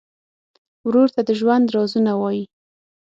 ورور ته د ژوند رازونه وایې.